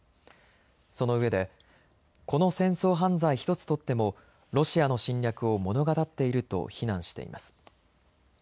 そのうえでこの戦争犯罪１つ取ってもロシアの侵略を物語っていると非難しています。